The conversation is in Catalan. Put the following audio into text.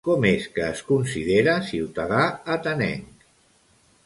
Com és que es considera ciutadà atenenc?